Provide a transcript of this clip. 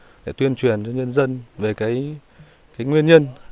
chúng tôi đã tuyên truyền cho nhân dân về cái nguyên nhân